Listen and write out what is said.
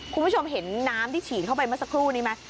คุณผู้ชมเห็นน้ำที่ฉีดเข้าไปเมื่อสักครู่นี้ไหม